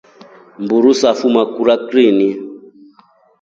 Mburu safuma kulya krini.